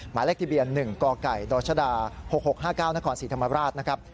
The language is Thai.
หมายเลขทะเบียน๑กไก่ดชด๖๖๕๙นครศรีธรรมราชนะครับ